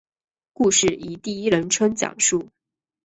故事以第一人称讲述。